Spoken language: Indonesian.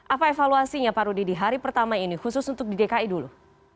apa evaluasinya pak rudi di hari pertama ini khusus untuk di dki dulu